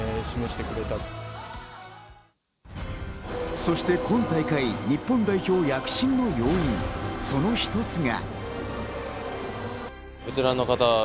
そして今大会、日本代表躍進の要因、その一つが。